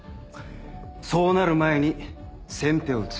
そうなる前に先手を打つ。